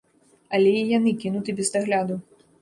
Але і яны кінуты без дагляду.